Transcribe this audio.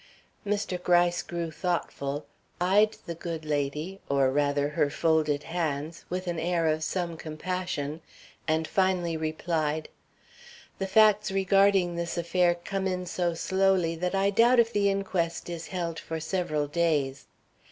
Mr. Gryce grew thoughtful, eyed the good lady, or rather her folded hands, with an air of some compassion, and finally replied: "The facts regarding this affair come in so slowly that I doubt if the inquest is held for several days.